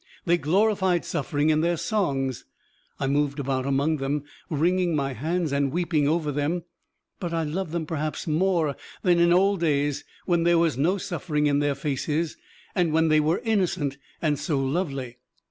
They glorified suffering in their songs. I moved about among them, wringing my hands and weeping over them, but I loved them perhaps more than in old days when there was no suffering in their faces and when they were innocent and so lovely.